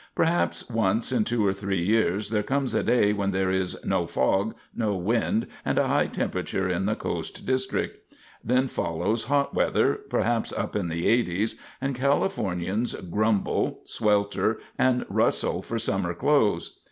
Perhaps once in two or three years there comes a day when there is no fog, no wind, and a high temperature in the coast district. Then follows hot weather, perhaps up in the eighties, and Californians grumble, swelter and rustle for summer clothes.